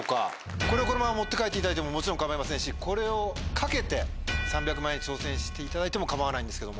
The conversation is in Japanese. これをこのまま持って帰っていただいてももちろん構いませんしこれを懸けて３００万円に挑戦していただいても構わないんですけども。